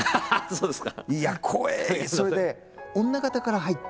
そうですか。